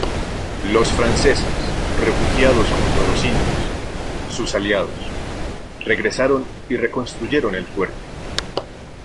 Los franceses, refugiados junto a los indios, sus aliados, regresaron y reconstruyeron el fuerte.